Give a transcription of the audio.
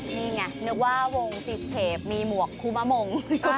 นี่ไงนึกว่าวงซีสเคปมีหมวกคุมะมง